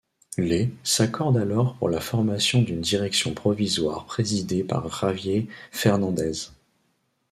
Les s'accordent alors pour la formation d'une direction provisoire présidée par Javier Fernández.